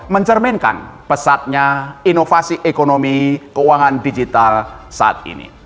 mencerminkan pesatnya inovasi ekonomi keuangan digital saat ini